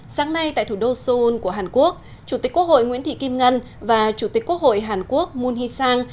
sáng nay tại thủ đô seoul của hàn quốc chủ tịch quốc hội nguyễn thị kim ngân và chủ tịch quốc hội hàn quốc moon hee sang